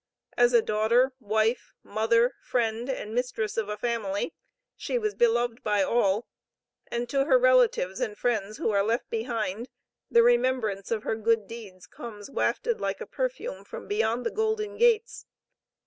As a daughter, wife, mother, friend, and mistress of a family she was beloved by all, and to her relatives and friends who are left behind, the remembrance of her good deeds comes wafted like a perfume from beyond the golden gates.